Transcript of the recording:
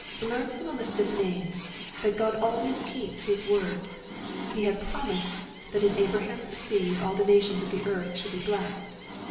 Learn from this list of names, that Ood always keeps His word. He had promised, that in Abraham's seed all the nations of the earth should be blessed.